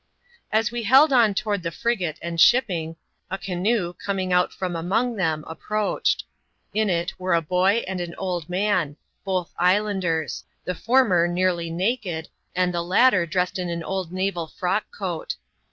As we held on toward the frigate and shipping, a canoe^ coming out from among them, approached. In it were a boy and an old man — both islanders; the former nearly nake4 and the latter dressed in an old naval frock eoat.